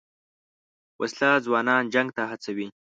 وسله ځوانان جنګ ته هڅوي